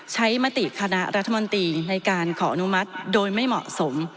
มติคณะรัฐมนตรีในการขออนุมัติโดยไม่เหมาะสม